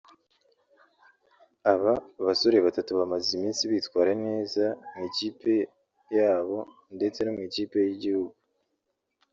Aba basore batatu bamaze iminsi bitwara neza mu makipe yabo ndetse no mu ikipe y’igihugu